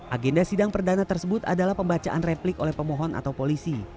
agenda sidang perdana tersebut adalah pembacaan replik oleh pemohon atau polisi